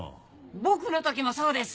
僕の時もそうです！